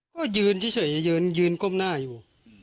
ก็ยืนเฉยยืนก้มหน้าอยู่